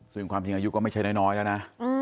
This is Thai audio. ซึ่งความจริงอายุก็ไม่ใช่น้อยแล้วนะ